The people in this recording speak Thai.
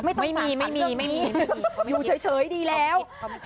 ไม่ต้องฝันอยู่เฉยดีแล้ว